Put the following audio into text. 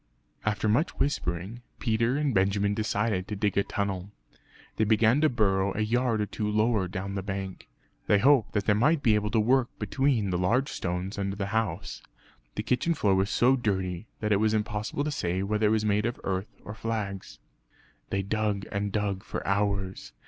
After much whispering, Peter and Benjamin decided to dig a tunnel. They began to burrow a yard or two lower down the bank. They hoped that they might be able to work between the large stones under the house; the kitchen floor was so dirty that it was impossible to say whether it was made of earth or flags. They dug and dug for hours.